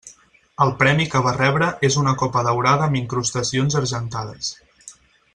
El premi que va rebre és una copa daurada amb incrustacions argentades.